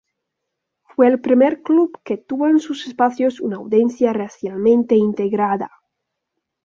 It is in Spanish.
Fue el primer club que tuvo en sus espacios una audiencia racialmente integrada.